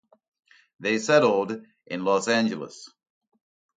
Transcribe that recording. They settled in Los Angeles.